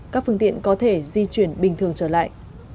các phương tiện có thể di chuyển bình thường trở lại